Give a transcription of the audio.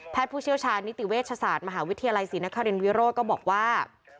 ผู้เชี่ยวชาญนิติเวชศาสตร์มหาวิทยาลัยศรีนครินวิโรธก็บอกว่า